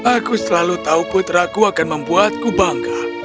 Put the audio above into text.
aku selalu tahu putraku akan membuatku bangga